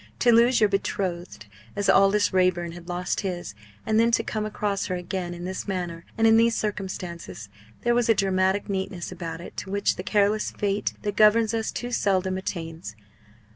To lose your betrothed as Aldous Raeburn had lost his, and then to come across her again in this manner and in these circumstances there was a dramatic neatness about it to which the careless Fate that governs us too seldom attains.